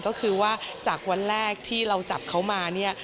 ก็คือว่าจากวันแรกที่เราจับเขามาเนี่ย